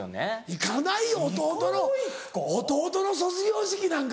行かないよ弟の弟の卒業式なんか。